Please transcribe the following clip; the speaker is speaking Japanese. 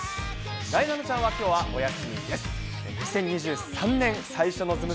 なえなのちゃんは、きょうはお休みです。